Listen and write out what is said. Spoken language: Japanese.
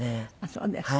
そうですか。